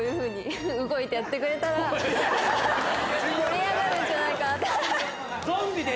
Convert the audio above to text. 盛り上がるんじゃないかなって。